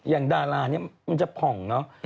อย่างดาราเนี่ยมันจะผ่องเนาะ